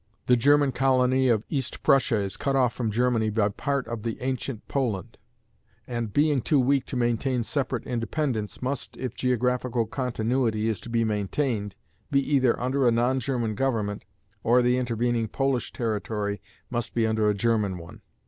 The German colony of East Prussia is cut off from Germany by part of the ancient Poland, and being too weak to maintain separate independence, must, if geographical continuity is to be maintained, be either under a non German government, or the intervening Polish territory must be under a German one.